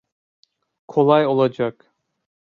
Kolay olacak.